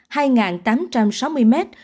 hai trăm tám mươi ba đường trên đỉnh lào thẩn